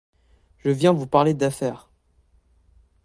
Je viens vous parler d’affaires.